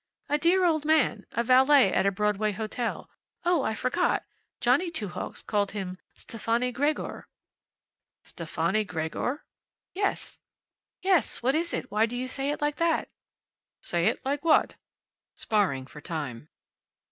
"A dear old man. A valet at a Broadway hotel. Oh, I forgot! Johnny Two Hawks called him Stefani Gregor." "Stefani Gregor?" "Yes. What is it? Why do you say it like that?" "Say it like what?" sparring for time.